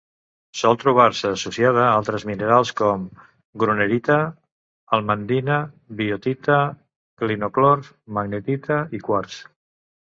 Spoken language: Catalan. Sol trobar-se associada a altres minerals com: grunerita, almandina, biotita, clinoclor, magnetita i quars.